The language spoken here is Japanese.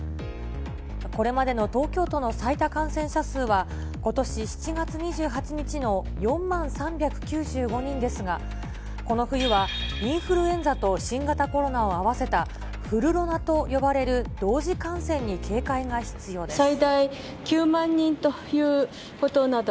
これまでの東京都の最多感染者数は、ことし７月２８日の４万３９５人ですが、この冬はインフルエンザと新型コロナを合わせた、フルロナと呼ばれる同時感染に警戒が必要です。